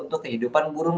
untuk kehidupan burung